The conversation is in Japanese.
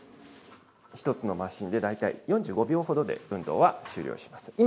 １つのマシーンで大体、４５秒ほどで運動は終了します。